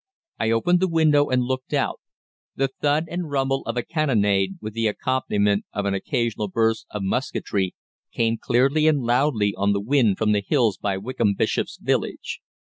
I opened the window and looked out. The 'thud' and rumble of a cannonade, with the accompaniment of an occasional burst of musketry, came clearly and loudly on the wind from the hills by Wickham Bishops village.